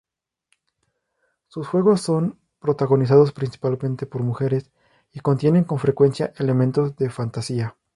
Sus juegos son protagonizados principalmente por mujeres y contienen con frecuencia elementos de Fantasía.